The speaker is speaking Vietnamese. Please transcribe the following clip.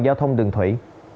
giao thông đường thủy